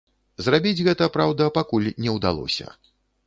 Зрабіць гэта, праўда, пакуль не ўдалося.